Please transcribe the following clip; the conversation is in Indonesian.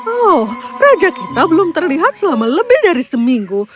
oh raja kita belum terlihat selama lebih dari seminggu